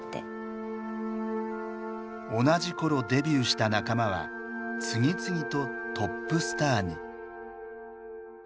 同じ頃デビューした仲間は次々とトップスターに。